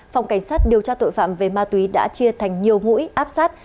phòng cảnh sát điều tra tội phạm về ma túy đã chia thành nhiều mũi áp sát